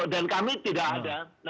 dan kami tidak ada